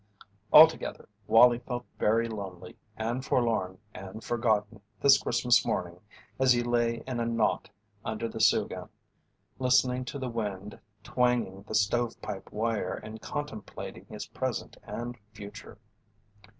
Altogether, Wallie felt very lonely and forlorn and forgotten this Christmas morning as he lay in a knot under the soogan, listening to the wind twanging the stove pipe wire and contemplating his present and future.